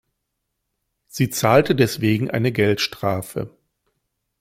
Sie zahlte deswegen eine Geldstrafe.